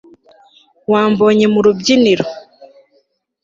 ngo Wambonye Mu rubyiniro